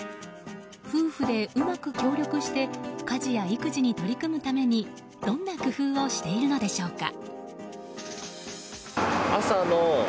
夫婦でうまく協力して家事や育児に取り組むためにどんな工夫をしているのでしょうか。